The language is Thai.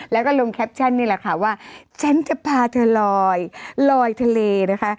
แล้วก็ลงแคปชั่นนี่แหละค่ะว่าฉันจะพาเธอลอยลอยทะเลนะคะ